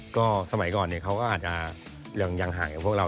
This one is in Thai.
ก็สมัยก่อนเขาก็อาจจะยังห่างจากพวกเรา